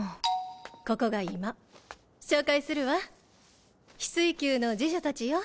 ここが居間紹介するわ翡翠宮の侍女たちよ。